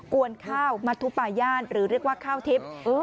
วนข้าวมัธุปาย่านหรือเรียกว่าข้าวทิพย์